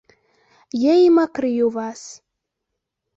Я ім акрыю вас.